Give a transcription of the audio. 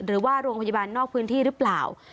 หรือว่าโรงพยาบาลนอกพื้นที่หรือเปล่า